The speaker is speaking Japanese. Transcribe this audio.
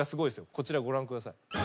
こちらご覧ください。